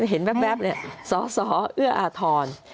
เห็นแว๊บเนี่ยสสเอื้ออาทร